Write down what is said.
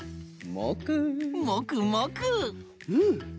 うん！